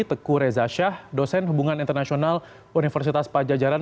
teku reza shah dosen hubungan internasional universitas pajajaran